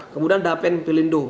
kemudian dapen pilindo